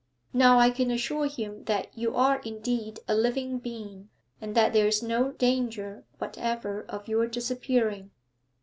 Now I can assure him that you are indeed a living being, and that there is no danger whatever of your disappearing.'